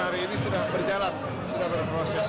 hari ini sudah berjalan sudah berproses